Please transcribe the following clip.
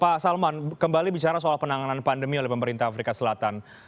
pak salman kembali bicara soal penanganan pandemi oleh pemerintah afrika selatan